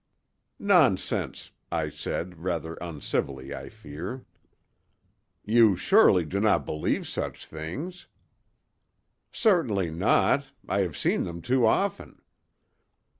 "Nonsense!" I said, rather uncivilly, I fear. "You surely do not believe such things?" "Certainly not: I have seen them too often."